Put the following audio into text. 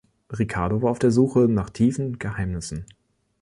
Ricardo war auf der Suche nach tiefen Geheimnissen.